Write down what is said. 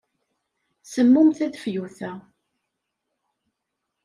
Semmum tadeffuyt-a.